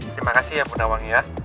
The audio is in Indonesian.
terima kasih ya bu nawang ya